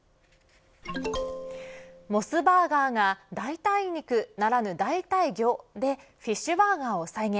モスバーガーが代替肉ならぬ代替魚でフィッシュバーガーを再現。